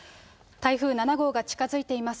台風７号が近づいています。